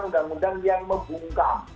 undang undang yang membungkam